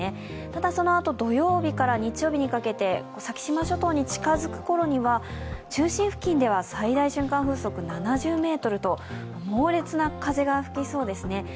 ただそのあと土曜日から日曜日にかけて先島諸島に近づくころには中心付近では最大瞬間風速７０メートルと猛烈な風が吹きそうですね。